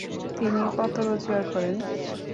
তিনি কত রোজগার করেন?